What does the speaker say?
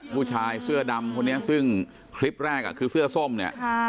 ผู้ชายเสื้อดำคนนี้ซึ่งคลิปแรกคือเสื้อส้มเนี่ย